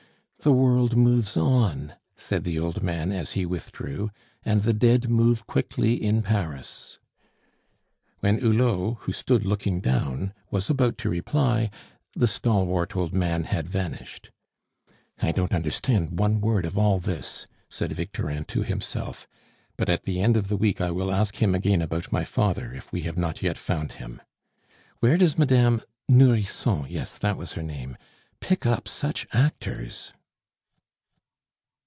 "The world moves on," said the old man, as he withdrew, "and the dead move quickly in Paris!" When Hulot, who stood looking down, was about to reply, the stalwart old man had vanished. "I don't understand one word of all this," said Victorin to himself. "But at the end of the week I will ask him again about my father, if we have not yet found him. Where does Madame Nourrisson yes, that was her name pick up such actors?"